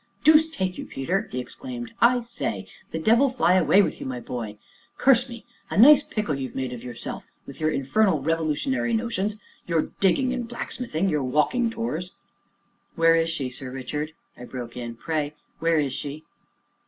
"Deuce take you, Peter!" he exclaimed; "I say the devil fly away with you, my boy! curse me! a nice pickle you've made of yourself, with your infernal Revolutionary notions your digging and blacksmithing, your walking tours " "Where is she, Sir Richard?" I broke in; "pray, where is she?"